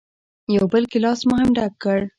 یو بل ګیلاس مو هم ډک کړ.